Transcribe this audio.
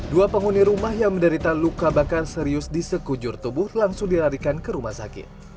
dua penghuni rumah yang menderita luka bakar serius di sekujur tubuh langsung dilarikan ke rumah sakit